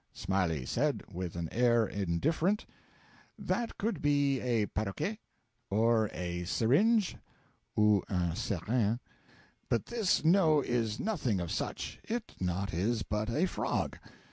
Smiley said, with an air indifferent: 'That could be a paroquet, or a syringe (ou un serin), but this no is nothing of such, it not is but a frog.'